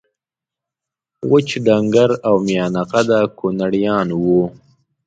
وچ ډنګر او میانه قده کونړیان وو